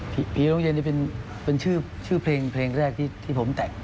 ผีโรงเย็นเนี้ยเป็นเป็นชื่อชื่อเพลงเพลงแรกที่ที่ผมแต่ง